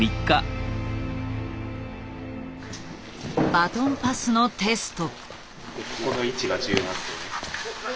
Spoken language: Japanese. バトンパスのテスト。